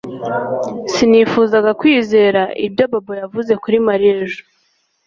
Sinifuzaga kwizera ibyo Bobo yavuze kuri Mariya ejo